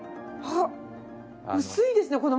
あっ薄いですね